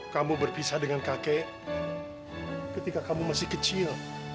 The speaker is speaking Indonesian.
kamu berpisah dengan kakek ketika kamu masih kecil